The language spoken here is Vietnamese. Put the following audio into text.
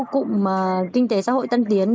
cụm kinh tế xã hội tân tiến